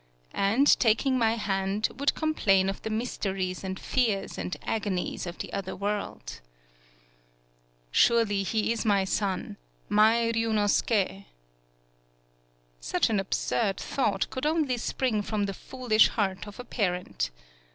anoT, tak ing my hand, would complain of the 148 TSUGARU STRAIT mysteries and fears and agonies of the other world. "Surely he is my son, my Ryunosuke." Such an absurd thought could only spring from the foolish heart of a parent.